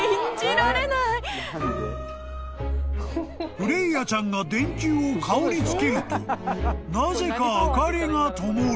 ［フレイヤちゃんが電球を顔に付けるとなぜか明かりがともる］